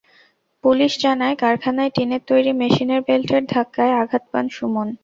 Police জানায়, কারখানায় টিনের তৈরি মেশিনের বেল্টের ধাক্কায় আঘাত পান সুমন।